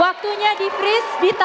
waktunya di freeze ditanggap